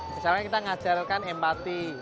misalnya kita mengajarkan empati